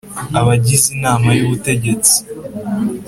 Abagize inama y ubutegetsi